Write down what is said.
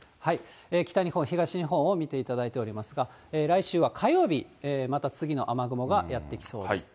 北日本、東日本を見ていただいておりますが、来週は火曜日、また次の雨雲がやって来そうです。